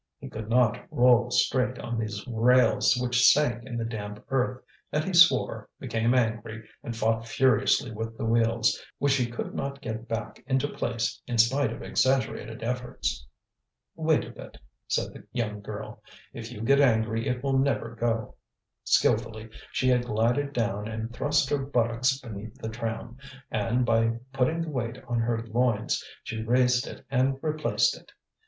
He could not roll straight on these rails which sank in the damp earth, and he swore, became angry, and fought furiously with the wheels, which he could not get back into place in spite of exaggerated efforts. "Wait a bit," said the young girl. "If you get angry it will never go." Skilfully she had glided down and thrust her buttocks beneath the tram, and by putting the weight on her loins she raised it and replaced it.